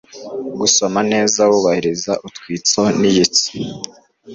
Gusoma neza wubahiriza utwatuzo n'iyitsa.